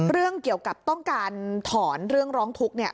เรื่องเกี่ยวกับต้องการถอนเรื่องร้องทุกข์เนี่ย